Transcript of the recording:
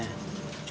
lu udah berusaha